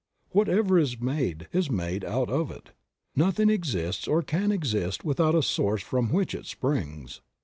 Whatever is made is made out of it. Nothing exists or can exist without a source from which it springs.